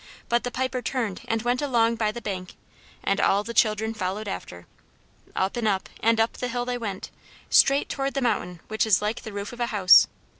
But the Piper turned and went along by the bank, and all the children followed after. Up, and up, and up the hill they went, straight toward the mountain which is like the roof of a house.